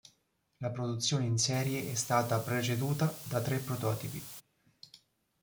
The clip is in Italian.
La produzione in serie è stata preceduta da tre prototipi.